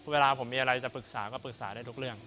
เวลาผมมีอะไรจะปรึกษาก็ปรึกษาได้ทุกเรื่อง